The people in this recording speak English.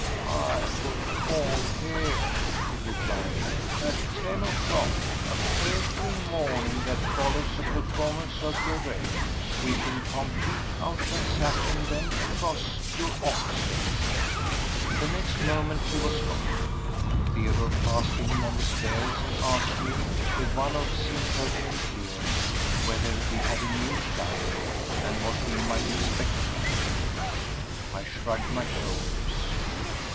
"I will call here," he replied, "at ten o'clock of every morning that follows a performance of Le Rêve. We can complete our transaction then across your office desk." The next moment he was gone. Theodore passed him on the stairs and asked me, with one of his impertinent leers, whether we had a new client and what we might expect from him. I shrugged my shoulders.